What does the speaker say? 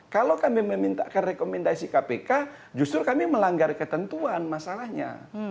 kalau kami memintakan rekomendasi kpk justru kami melanggar ketentuan masalahnya